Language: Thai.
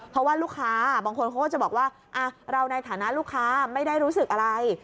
เพราะว่าลูกค้าบางคนเขาก็จะบอกว่าเราในฐานะลูกค้าไม่ได้รู้สึกอะไร